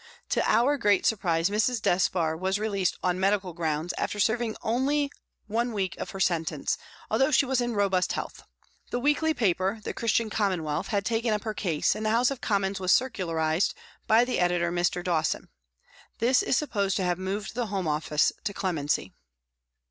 To our great surprise Mrs. Despard was released " on medical grounds," after serving only a week of her sentence, although she was in robust health. The weekly paper The Christian Commonwealth had taken up her case and the House of Commons was circularised by 106 PRISONS AND PRISONERS the editor, Mr. Dawson. This is supposed to have moved the Home Office to clemency.